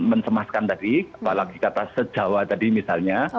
mencemaskan tadi apalagi kata sejawa tadi misalnya